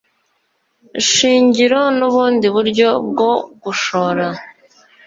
shingiro n ubundi buryo bwo gushora